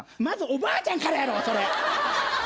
まずおばあちゃん